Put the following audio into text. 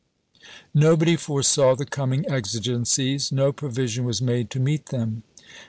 Nobody foresaw the coming exigencies, no provision was made to meet them.